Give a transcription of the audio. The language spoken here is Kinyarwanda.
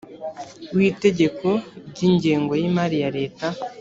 w itegeko ry ingengo y imari ya leta